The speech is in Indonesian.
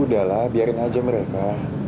udahlah biarin aja mereka